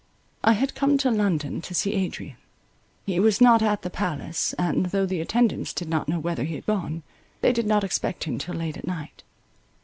I had come to London to see Adrian. He was not at the palace; and, though the attendants did not know whither he had gone, they did not expect him till late at night.